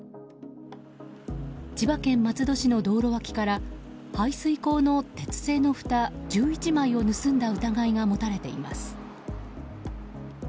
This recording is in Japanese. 千葉県松戸市の道路脇から排水溝の鉄製のふた１１枚を盗んだ疑いが持たれています。